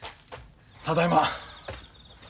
ただいま。